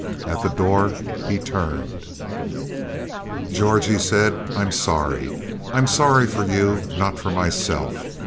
At the door he turned. "George," he said, "I'm sorry. I'm sorry for you, not for myself.